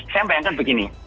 saya merayakan begini